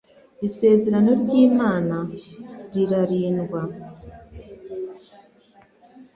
isezerano ry'imana rira rindwa